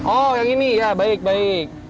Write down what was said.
oh yang ini ya baik baik